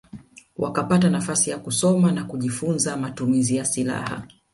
Wakapata nafasi ya kusoma na kujifunza matumizi ya silaha